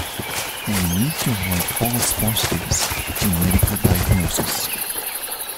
We need to avoid false positives in medical diagnoses.